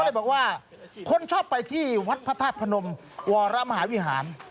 เลยบอกว่าคนชอบไปที่วัดพระธาตุพนมวรมหาวิหาร